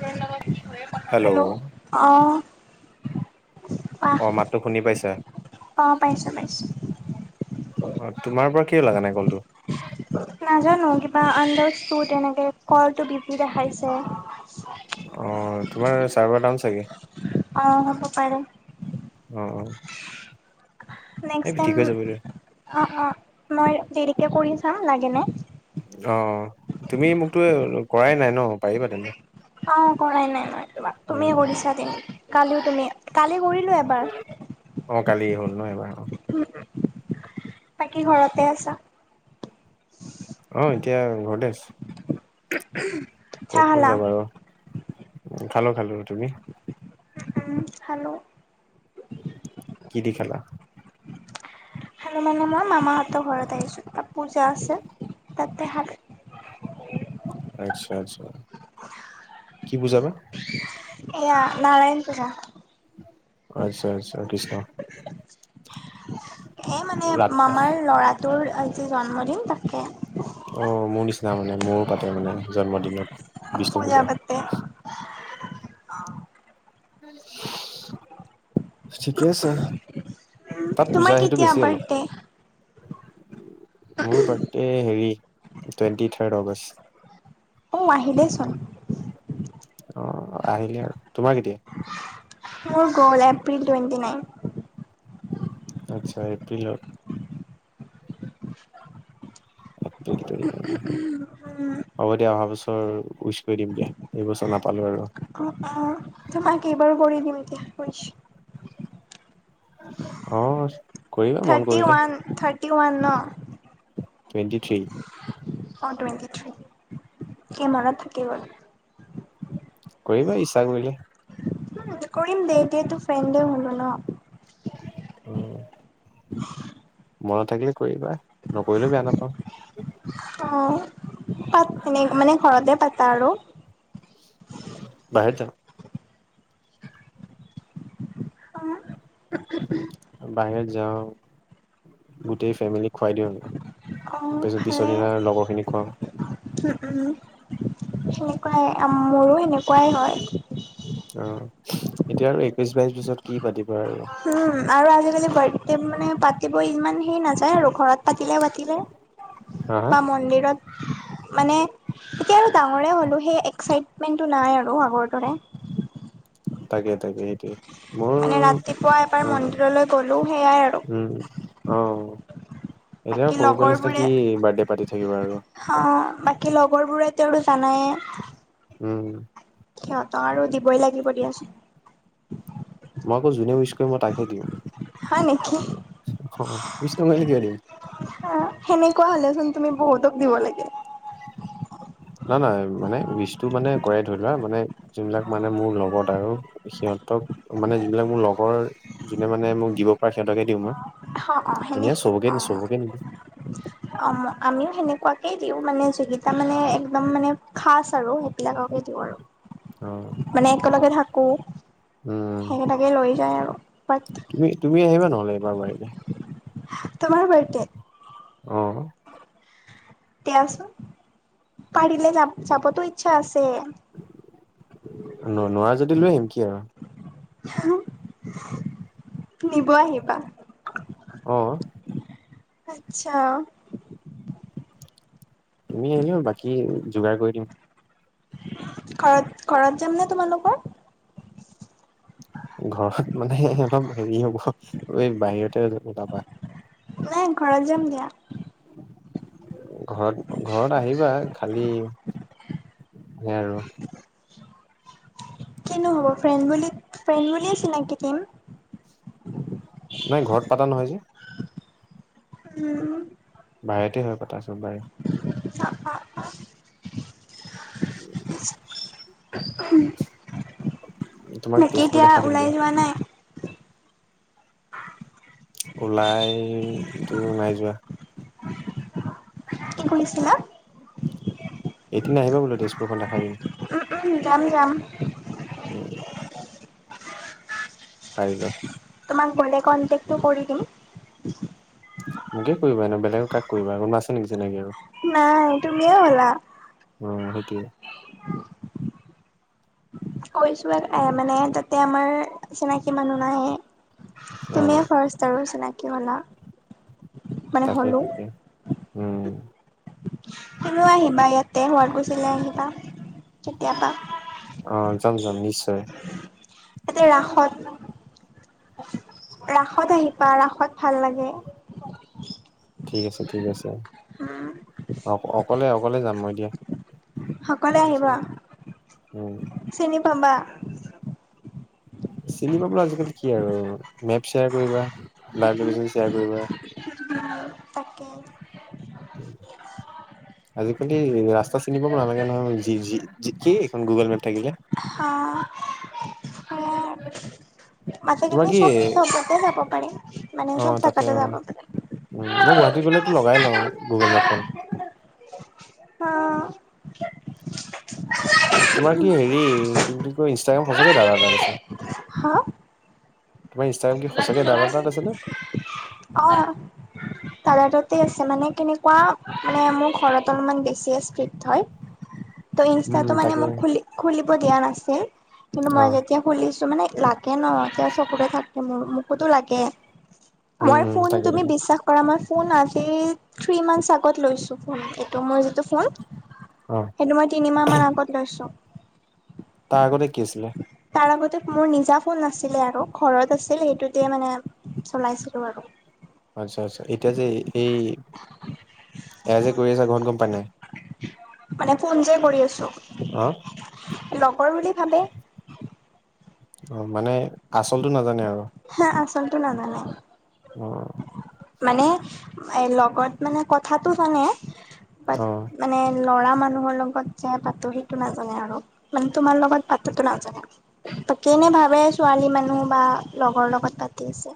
[unintelligible] Hello অ পাহ অ মাতটো শুনি পাইছা অ পাইছোঁ পাইছোঁ। অ তোমাৰ পৰা কিয় লাগা নাই কলটো? নাজানো কিবা আনলছটো তেনেকে কলটো বিজি দেখাইছে। অ তোমাৰ চাৰবাৰ ডাউন চাগে। অঁ হ'ব পাৰে উহ উহ নেক্সট টাইম যাব দে অ অ মই দেৰিকে কৰি চাম লাগে নে। অ তুমি মোকতো কৰাই নাই ন পাৰিবা তেন্তে। অ কৰাই নাই মই তোমাক তুমি উম কৰিছা তেনে কালিও তুমি কালি কৰিলো এবাৰ। অ কালি হ'ল নহ এবাৰ। [unintelligible] বাকী ঘৰতে আছা? অ এতিয়া ঘৰতে আছ- চাহ কতনো খালা যাবা ৰ, খালো খালো। তুমি? উম উম খালো। কি দি খালা। খালো মানে মই মামাহঁতৰ ঘৰত আহিছোঁ তাত পূজা আছে তাতে হাত আইচ্ছা আত্চ্ছা কি পূজা বা? এয়া নাৰায়ণ পূজা। আচ্ছা আচ্ছা কৃষ্ণ এ মানে ৰাত মামাৰ ল'ৰাটোৰ আজি জন্মদিন তাকে। অ মোৰ নিচিনা মানে মোৰো পাতে মানে জন্মদিনত। পূজা পাতে। ঠিকেই আছে। তাত পূজা তোমাৰ সেইটো কেতিয়া বেছি অলপ। বাৰ্থডে? মোৰ বাৰ্থডে হেৰি টুৱেণ্টি থাৰ্ড অগষ্ট। অ, আহিলেই চোন। অ, আহিলে আৰু তোমাৰ কেতিয়া? মোৰ গ'ল এপ্ৰিল টুৱেণ্টি নাইন। আচ্ছা এপ্ৰিলত। এপ্ৰিল পৰি [unintelligible] হ'ব দিয়া অহাবছৰ উইচ কৰি দিম দিয়া এইবছৰ নাপালো আৰু। অ', অ', তোমাক এইবাৰো কৰি দিম দিয়া উইচ। অ কৰিবা মন থাৰটি কৰিলে ওৱান-থাৰটি ৱান ন। Twenty three. অ, টুৱেটি থ্ৰী কি মনত থাকি গ'ল। কৰিবা ইচ্ছা কৰিলে। [unintelligible] কৰিম দিয়া এতিয়া তো ফ্ৰেণ্ডে হলো ন। উম, [inaudible] মনত থাকিলে কৰিবা, নকৰিলেও বেয়া নাপাও। অ, পাত এনে মানে ঘৰতে পাতা আৰু? বাহিৰত যাও। অ', বাহিৰত যাও গোটেই ফেমেলি খুৱাই দিও একবাৰ। অ, ভালে। খুৱাওঁ উম-উম সেনেকুৱাই মোৰো সেনেকুৱাই হয়। অ, এতিয়া আৰু একৈশ, বাইশ বছৰত কি পাতিবা আৰু। উম, আৰু আজিকালি বাৰ্থডে মানে পাতিবই ইমান হেই নাযায়, আৰু ঘৰত পাতিলে-পাতিলাই। হা হা বা মন্দিৰত। মানে এতিয়া আৰু ডাঙৰে হ'লো সেই এক্সাইটমেন্টটো নাই আৰু আগৰ দৰে। তাকে-তাকে সেইটোৱে। মোৰ মানে ৰাতিপুৱা এবাৰ অ মন্দিৰলৈ গ'লো সেয়াই উম, আৰু। অ', এতিয়া বাকী সৰু পোৱালি নিচিনা লগৰবোৰে কি বাৰ্থডে পাতি থাকিবা আৰু। অ, বাকী লগৰবোৰে এতিয়াওতো জানায়ে। উম, সিহঁতক আৰু দিবই লাগিব দিয়াচোন। মই আকৌ যোনে উইছ কৰে মই তাকহে দিও, হয় নেকি অহ, উইছ নকৰিলে কিয় দিম। অ, সেনেকুৱা হলেচোন তুমি বহুতক দিব লাগে। না-না মানে উইছটো মানে কৰে ধৰি লোৱা মানে যোনবিলাক মানে মোৰ লগত আৰু সিহঁতক মানে যিবিলাক মোৰ লগৰ যোনে মানে মোক দিব পাৰে সিহঁতকে দিও মই অ অ সেনে এনে চবকে অ দিও-চবকে দিও। [inaudible] আমিও সেনেকুৱাকে দিও মানে যোনকিতা মানে একদম মানে খাচ আৰু সেইবিলাককে দিও আৰু। অ', মানে একেলগে থাকো উম, সেইকেইটাকে লৈ যায় আৰু বাত তুমি তুমি আহিবা নহ'লে এবাৰ পাৰিলে। তোমাৰ বাৰ্থডেত? অ', দিয়াচোন পাৰিলে জাম, যাবতো ইচ্ছা আছে। ন-নোৱাৰা যদি লৈ আহিম কি আৰু। হহ, নিব আহিবা? অহ', আচ্ছা। তুমি আহিলে বাকি যোগাৰ কৰি দিম। ঘৰত-ঘৰত যাম নে তোমালোকৰ? ঘৰত মানে অলপ হেৰি হ'ব এই বাহিৰতে ওলাবা। নাই ঘৰত যাম দিয়া। ঘৰত-ঘৰত আহিবা খালি সেয়াই আৰু। কিনো হ'ব ফ্ৰেণ্ড বুলি ফ্ৰেণ্ড বুলি চিনাকি দিম। নাই ঘৰত পাতা নহয় যে। উম। বাহিৰতে হয় পতা চব বাৰে। [unintelligible] [unintelligible] তোমাক বাকি তেজপুৰ এতিয়া দেখাই দিম ওলাই দিয়া যোৱা নাই? ওলাই তো নাই যোৱা। কি কৈছিলা? এদিন আহিব বোলো তেজপুৰখন দেখাই দিম। উম-উম, যাম-যাম। উম পাৰিলে। তোমাক গ'লে কন্টেক্ট তো কৰি দিম। মোকে কৰিবা এনে বেলেগক কাক কৰিবা কোনোবা আছে নেকি চিনাকি আৰু? নাই তুমিয়ে হ'লা। অ' সেইটোৱে। কৈছো এ মানে তাতে আমাৰ চিনাকি মানুহ নাহে। অ তুমিয়ে ফাৰ্ষ্ট আৰু চিনাকি হলা। মানে হ'লো। তাকে-তাকে উম। তুমিও আহিবা ইয়াতে শুৱালকুছিলয় আহিবা কেতিয়াবা। অ' যাম-যাম নিশ্চয়। এতে ৰাখত। ৰাখত আহিবা ৰাখত ভাল লাগে। ঠিক আছে, ঠিক আছে, উম, অ' অকলে-অকলে যাম মই দিয়া। [unintelligible] আহিবা। উম। চিনি পাবা? চিনি পাব আজিকালি কি আৰু মেপ শ্বেয়াৰ কৰিবা লাইভ লোকেশন শ্বেয়াৰ কৰিবা। [unintelligible] ওকে। আজি কালি ৰাস্ত চিনিব নালাগে নহয় জি, জি কি এইখন গুগল মেপ থাকিলে। [unintelligible] অ'। আজি তোমাৰ কালি কি চব জাগাতে যাব পাৰি মানে অ চব তাতে জাগাতে অ যাব পাৰে। উম, মই গুৱাহাটী গ'লেতো লগাই লওঁ গুগল মেপখন। [unintelligible] তোমাৰ কি হেৰি কি বুলি কয় ইনষ্টাগ্ৰাম সঁচাকে দাদাৰ তাত আছে? হা তোমাৰ ইনষ্টাগ্ৰাম কি সঁচাকে দাদাৰ তাত আছে নে? অ'। দাদাৰ লগতে আছে মানে কেনেকুৱা মানে মোৰ ঘৰত অলপমান বেছিয়ে স্ক্ৰীক হয়। ত' উম ইনষ্টাটো মানে তাকে মোক খুলি খুলিব দিয়া নাছিল কিন্তু অ মই যেতিয়া খুলিছো মানে লাগে ন যে চবৰে থাকে মোৰ মোকোতো লাগে। উম মই উম ফোন তাকে তুমি তাকে বিশ্বাস মই ফোন আজি থ্ৰী মন্থচ আগত লৈছো মোৰ যিটো ফোন। হয়। সেইটো মই তিনিমাহ মান আগত লৈছো। তাৰ আগতে কি আছিলে? তাৰ আগতে মোৰ নিজা ফোন নাছিলে আৰু ঘৰত আছিল সেইটোতে মানে চলাইছিলো আৰু। আচ্ছা-আচ্ছা এতিয়া যে এই এ যে এ কৰি আছা ঘৰত গম পাই নাই মানে ফোন যে কৰি আছো। অ', লগৰ বুলি ভাবে। অ, মানে আচলটো নাজানে আৰু। হা, আচলটো নাজানে। উম, মানে এ লগত মানে কথাাতটো জানে ব অ মানে ল'ৰা মানুহৰ লগত যে পাতো সেইটো নাজানে আৰু। মানে তোমাৰ লগত পাতা তো নাজানে বাকী এনেই ভাবে ছোৱালী মানুহ বা লগৰ লগত পাতি আছে।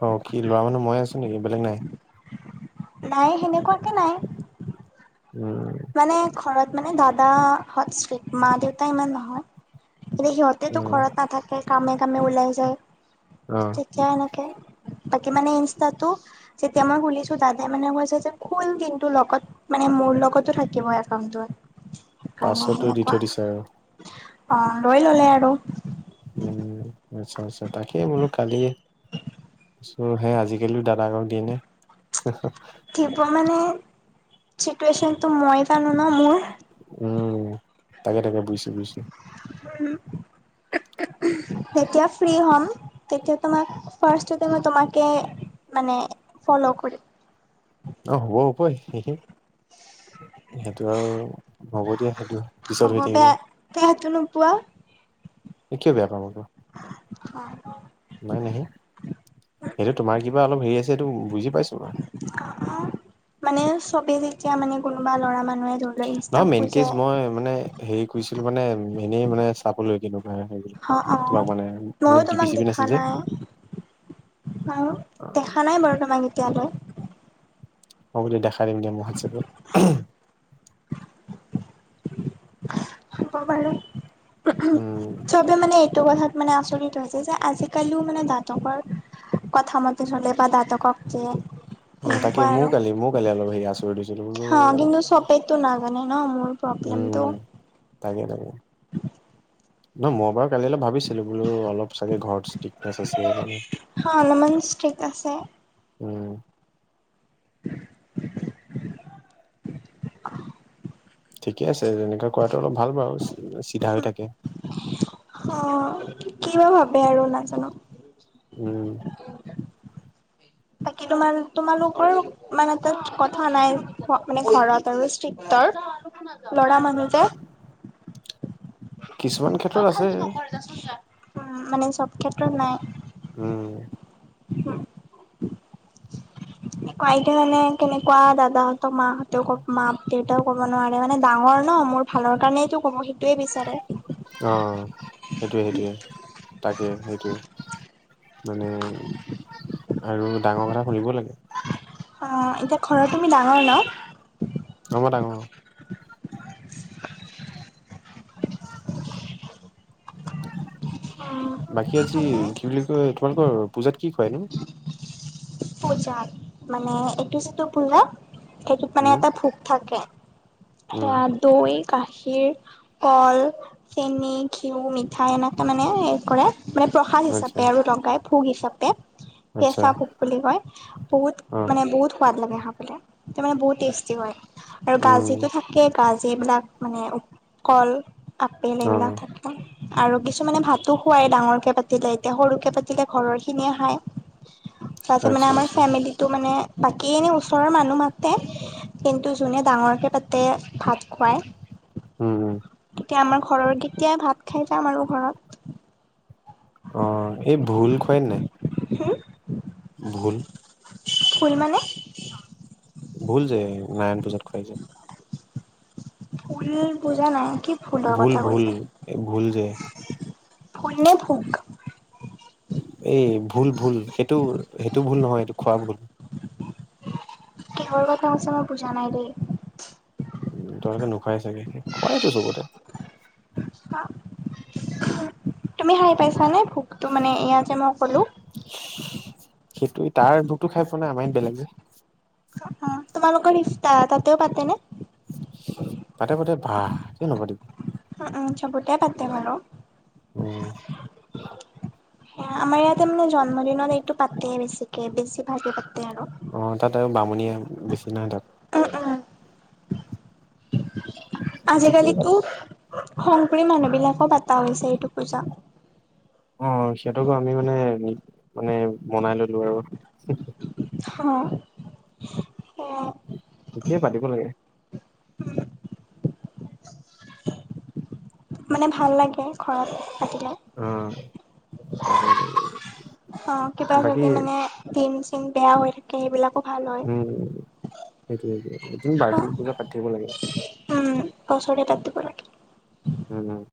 অ, কি ল'ৰা মানুহ মই আছো নেকি বেলেগ নাই? নাই সেনেকুৱাকে নাই। উম, মানে ঘৰত মানে দাদাহত ষ্ট্ৰিক মা-দেউতা ইমান নহয়। এতিয়া সিহঁতেতো উম ঘৰত নাথাকে কামে-কামে ওলাই যায়। অ', তেতিয়া এনেকে বাকী মানে ইনষ্টাতো যেতিয়া মই খোলিছো দাদাই মানে কৈছে যে খোল কিন্তু লগত মানে মোৰ লগত ত, থাকিব একাউণ্টটো কাৰণে পাছৱৰ্ডটো দি হেনেকুৱা থৈ দিছে আৰু অ, লৈললে আৰু। উম, আচ্ছা-আচ্ছা তাকেই বুলো কালি সেই আজিকালিও দাদাগক দিয়ে নে। থিব মানে চিটুৱেশ্যনটো মই জানো ন মোৰ। উম, তাকে তাকে বুজিছো-বুজিছো। উম, [unintelligible] যেতিয়া ফ্ৰী হ'ম তেতিয়া তোমাক ফাৰ্চততে মই তোমাকে মানে ফ'ল কৰিম। হব হব সে সেখিনি সেইটো আৰু হ'ব দিয়া সেইটো পিছত হ'ব হৈ থাকিব। বেয়া বেয়াটো নোপোৱা এ কিয় বেয়া পাম আকৌ। অ', নাই নাহে সেইটো তোমাৰ কিবা অলপ হেৰি আছে সেইটো বুজি পাইছো মই। অ', অ', মানে চবেই যেতিয়া মানে কোনোবা লৰা মানুহে ধৰ নহয় মেইন কেজ মই মানে হেৰি কৰিছিলো মানে এনেই মানে চাবলৈ কিন্তু মই হ, অ, ময়ো তোমাক দেখা নাছিল যে নাই অ, দেখা নাই দেখা নাই বাৰু তোমাক এতিয়ালৈ। অ, বোলো দেখাই দিম এতিয়া মোক হোৱাটচেপত। হব বাৰু ও'ম উম চবে মানে এইটো কথাত মানে আচৰিত হৈছে যে আজিকালিও মানে জাতকৰ কথা মতে চলে বা দাদকক যে অ, তাকে মোৰ কালি মোৰ কালি অলপ হেৰি আচৰিত হৈছিলো। হা কিন্তু চবেইটো নাজানে ন মোৰ প্ৰব্লেমটো। তাকে-তাকে নহয় মই বাৰু কালি ভাবি ভাবিছিলো বোলো অলপ চাগে ঘৰত ষ্টিক আছে মানে অ অলপমান ষ্ট্ৰিক আছে উম, [unintelligible] অহ', ঠিকে আছে তেনেকোৱা কৰাটো অলপ ভাল বাৰু চিধা হৈ থাকে। অ, কিবা ভাবে আৰু নাজানো। উম, বাকী তোমাৰ তোমালোকৰ মানে তাত কথা নাই মানে ঘৰত আৰু ষ্ট্ৰিকটৰ ল'ৰা মানুহ যে। কিছুমান অ, ক্ষেত্ৰত আছে ফাল্টু নকৰ যা চোন যা মানে চব ক্ষেত্ৰত নাই। উম, উম, [unintelligible] একো আইতা জানে কেনেকোৱা দাদাহতৰ মাহতেও মাক-দেউতাও কব নোৱাৰে মানে ডাঙৰ ন মোৰ ভালৰ কাৰণেইটো ক'ব সেইটোৱে বিচাৰে। অ, সেইটোয়ে-সেইটোৱে তাকে সেইটোৱে। মানে আৰু ডাঙৰ কথা শুনিব লাগে। অ, এতিয়া ঘৰৰ তুমি ডাঙৰ ন? অ, মই ডাঙৰ। উম বাকী আজি মানে কি বুলি কয় তোমালোকৰ পূজাত কি খোৱাই নো? পূজা মানে এইটো যিটো পূজা সেইটোত মানে উম এটা ভোক থাকে। উম এয়া দৈ গাখীৰ, কল, চেনি, ঘিউ, মিঠাই এনেকৈ মানে হে কৰে। মানে প্ৰসাদ আচ্ছা হিচাপে আৰু লগকাই ভোগ হিচাপে আচ্ছা কেঁচা ভোগ বুলি কয়। বহুত অ মানে বহু সোৱাদ লাগে খাবলে তে মানে বহুত টেষ্টি হয়। আৰু উম গাজিটো থাকে গাজি এইবিলাক মানে কল আপেল অ এইবিলাক থাকে আৰু কিছুমানে ভাতো খোৱাই ডাঙৰকে পাতিলে। এতিয়া সৰুকে পাতিলে ঘৰৰ খিনিয়ে খায়। তাতে মানে আচ্ছা আমাৰ আচ্ছা ফেমেলিটো মানে বাকী এনেই ওচৰৰ মানুহ মাতে, কিন্তু যোনে ডাঙৰকে পাতে ভাত খুৱায়। উম, এতিয়া আমাৰ ঘৰৰ কেইতিয়া ভাত খাই যাম আৰু ঘৰত। অ, এই ভুল খুৱাই নে নাই। হুম, ভুল। ভুল মানে? ভুল যে নাৰায়ণ পূজাত। খুৱাই যে। ভুল বুজা নাই কি ফুলৰ কথা ভুল-ভুল, কৈছে ভুল যে। ভুল নে ভোগ? এই ভুল-ভুল সেইটো-সেইটো ভুল নহয়, এইটো খোৱা ভুল। কিহৰ কথা কৈছা মই বুজা নাই দেই। উম, তহতে নোখোৱাই চাগে সেই খোৱাইতো চবতে। [unintelligible] তুমি হাৰ পাইছানে ভোকতটো মানে এয়া যে মই কলো। [unintelligible] সেইটো তাৰ দুতো খাই পোৱা নাই আমাৰ বেলেগ যে। অ, তোমালোকৰ ইফতা তাতে পাতে নে? পাতে-পাতে বাহ কিয় নাপাতিব। উম-উম চবতোই পাতে বাৰু। উম, [inaudible] আমাৰ ইয়াতে মানে জন্মদিনত এইটো পাতে, বেছিকে-বেছি ভাগে পাতে আৰু। অ, তাত আৰু বামুণীয়ে বেছি নহয় তাত। উম উম [inaudible] আজিকালিতো, পাতে। শংকৰী মানুহ বিলাকো পাতা হৈছে, এইটো পূজা। অ'! সিহঁতকো আমি মানে, মানে বনাই ললোঁ আৰু। [unintelligible] সেয়াই ঠিকে পাতিব লাগে। উম! মানে, ভাল লাগে, ঘৰত পাতিলে। অ'! তাকে, [unintelligible] অ কিবা বাকী যদি [unintelligible] বেয়া হৈ থাকে। সেইবিলাকো ভাল হয়। উম! সেইটোৱে, সেইটো। এইটো বাৰ্ষিক পূজা পাতি থাকিব লাগে। হুচৰি তাত দিব লাগে। উম, উম।